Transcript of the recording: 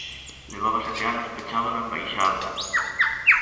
Levaba sete anos pechado na embaixada.